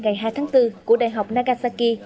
ngày hai tháng bốn của đại học nagasaki